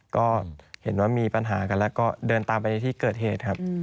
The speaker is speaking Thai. ก็เห็นว่ามีปัญหากันแล้วก็เดินตามไปที่เกิดเหตุครับ